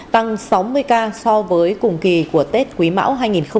tăng sáu mươi ca so với cùng kỳ của tết quý mão hai nghìn hai mươi ba